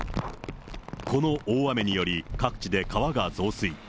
この大雨により、各地で川が増水。